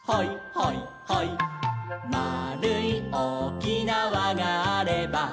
「まあるいおおきなわがあれば」